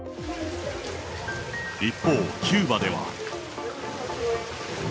一方、キューバでは。